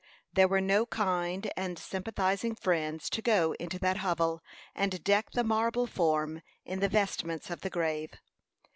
There were no kind and sympathizing friends to go into that hovel and deck the marble form in the vestments of the grave.